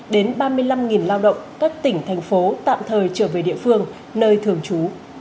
đến ba mươi năm lao động các tỉnh thành phố tạm thời trở về địa phương nơi thường trú